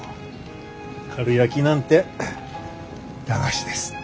かるやきなんて駄菓子です。